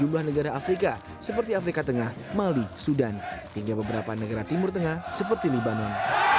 sejumlah negara afrika seperti afrika tengah mali sudan hingga beberapa negara timur tengah seperti libanon